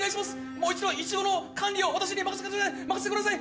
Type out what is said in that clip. もう一度イチゴの管理を私に任せてください